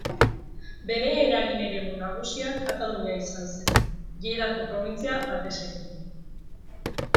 Bere eragin-eremu nagusia Katalunia izan zen, Lleidako probintzia batez ere.